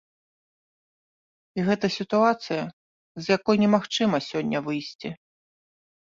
І гэта сітуацыя, з якой немагчыма сёння выйсці.